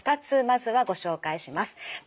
２つまずはご紹介します。